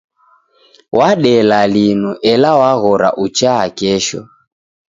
Wadela linu ela waghora uchaa kesho.